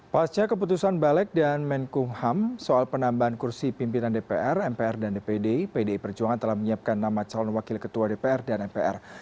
pasca keputusan balek dan menkumham soal penambahan kursi pimpinan dpr mpr dan dpd pdi perjuangan telah menyiapkan nama calon wakil ketua dpr dan mpr